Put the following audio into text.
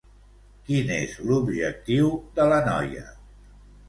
Quin és l'objectiu de la noia?